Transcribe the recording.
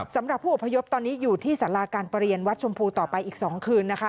สำหรับผู้อพยพตอนนี้อยู่ที่สาราการประเรียนวัดชมพูต่อไปอีก๒คืนนะคะ